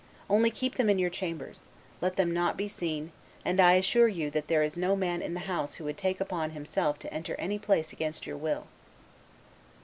Only keep them in your chambers; let them not be seen; and I assure you that there is no man in the house who would take upon himself to enter any place against your will.